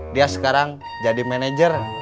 dia sekarang jadi manajer